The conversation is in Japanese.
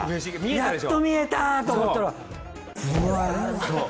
やっと見えた！と思ったら。